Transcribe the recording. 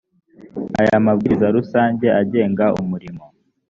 aya mabwiriza rusange agenga umurimo